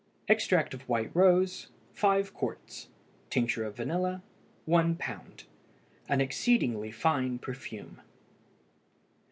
Extract of white rose 5 qts. Tincture of vanilla 1 lb. An exceedingly fine perfume.